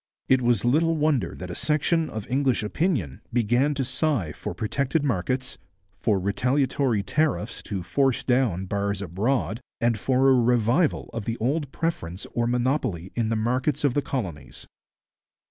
It was little wonder that a section of English opinion began to sigh for protected markets, for retaliatory tariffs to force down bars abroad, and for a revival of the old preference or monopoly in the markets of the colonies.